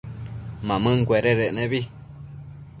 Mamëncuededec nebi